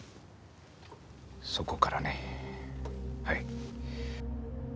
そこからねはい。